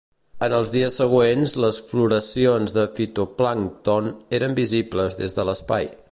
En els dies següents, les floracions de fitoplàncton eren visibles des de l'espai.